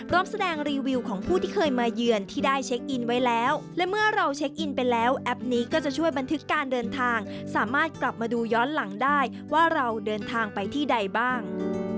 แสดงรีวิวของผู้ที่เคยมาเยือนที่ได้เช็คอินไว้แล้วและเมื่อเราเช็คอินไปแล้วแอปนี้ก็จะช่วยบันทึกการเดินทางสามารถกลับมาดูย้อนหลังได้ว่าเราเดินทางไปที่ใดบ้าง